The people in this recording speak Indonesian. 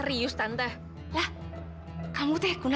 ini kan jam sekolah